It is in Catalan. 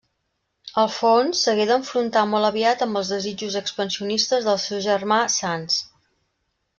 Alfons s'hagué d'enfrontar molt aviat amb els desitjos expansionistes del seu germà Sanç.